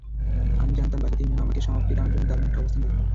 আমি জানতাম, বাকি তিনজন আমাকে সমাপ্তি টানার জন্য দারুণ একটা অবস্থান দেবে।